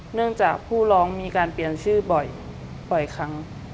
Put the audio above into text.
เนื่องจากผู้ร้องมีการเปลี่ยนชื่อบ่อยครั้ง